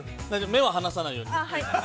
◆目は離さないように。